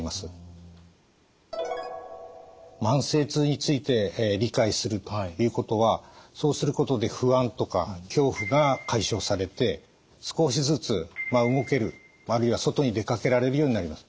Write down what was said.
慢性痛について理解するということはそうすることで不安とか恐怖が解消されて少しずつ動けるあるいは外に出かけられるようになります。